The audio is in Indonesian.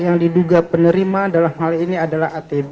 yang diduga penerima dalam hal ini adalah atb